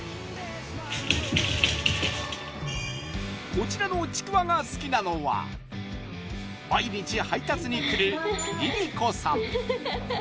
こちらのちくわが好きなのは毎日配達に来るりりこさん